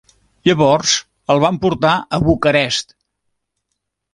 Llavors el van portar a Bucarest.